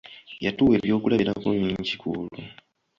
Yatuwa eby'okulabirako bingi kwolwo.